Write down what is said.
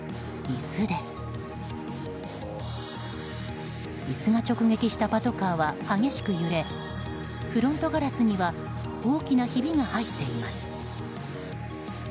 椅子が直撃したパトカーは激しく揺れフロントガラスには大きなひびが入っています。